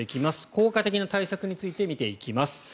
効果的な対策について見ていきます。